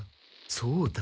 そうだ！